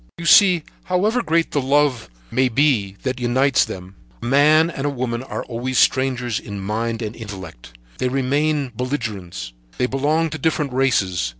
"You see, however great the love may be that unites them a man and a woman are always strangers in mind and intellect; they remain belligerents, they belong to different races.